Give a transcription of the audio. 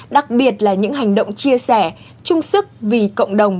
đặc biệt là những hành động chia sẻ trung sức vì cộng đồng